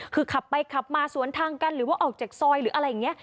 คือขับไปขับมาสวนทางกันหรือว่าออกจากซอยหรืออะไรอย่างนี้